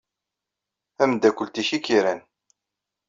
Tameddakelt-nnek ay k-iran.